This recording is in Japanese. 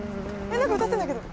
何か歌ってんだけど。